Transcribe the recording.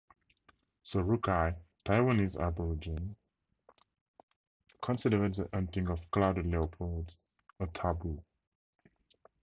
The Rukai, Taiwanese aborigines, considered the hunting of clouded leopards a taboo.